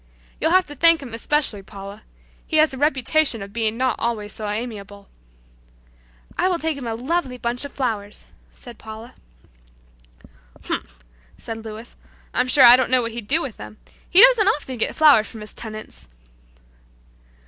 You'll have to thank him especially, Paula. He has a reputation of being not always so amiable." "I will take him a lovely bunch of flowers," said Paula. "Humph!" said Louis, "I'm sure I don't know what he'd do with them. He doesn't often get flowers from his tenants."